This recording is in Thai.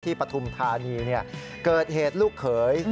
ปฐุมธานีเกิดเหตุลูกเขย